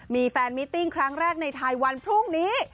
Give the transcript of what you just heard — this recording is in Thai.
มีแฟนมิติ้งครั้งแรกในไทยวันพรุ่งนี้